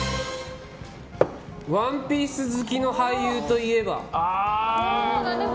「ワンピース」好きの俳優といえば？